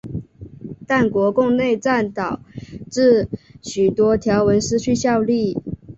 但国共内战导致许多条文失去效力。